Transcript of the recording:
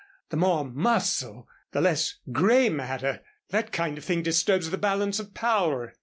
The more muscle, the less gray matter. That kind of thing disturbs the balance of power."